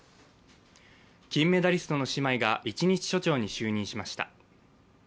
金メダリストの姉妹が一日署長に就任しました。